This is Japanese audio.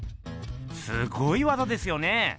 すごい技ですよね。